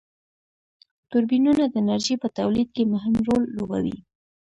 توربینونه د انرژی په تولید کی مهم رول لوبوي.